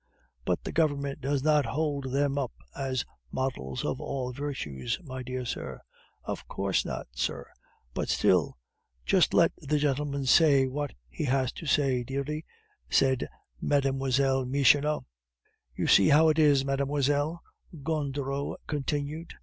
"But the Government does not hold them up as models of all the virtues, my dear sir " "Of course not, sir; but still " "Just let the gentleman say what he has to say, dearie," said Mlle. Michonneau. "You see how it is, mademoiselle," Gondureau continued.